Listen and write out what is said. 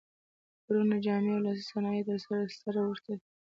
کورونه، جامې او لاسي صنایع یې سره ورته دي.